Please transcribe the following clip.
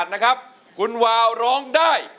ร้องได้ร้องได้